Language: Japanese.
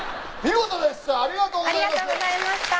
見事でしたありがとうございます。